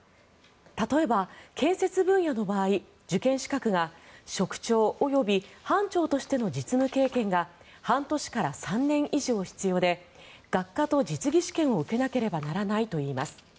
例えば、建設分野の場合受験資格が職長及び班長としての実務経験が半年から３年以上必要で学科と実技試験を受けなければならないといいます。